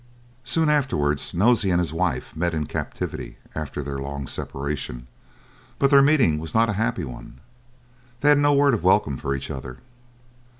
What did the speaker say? Soon afterwards Nosey and his wife met in captivity after their long separation, but their meeting was not a happy one; they had no word of welcome for each other.